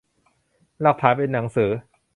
หลักฐานเป็นหนังสือ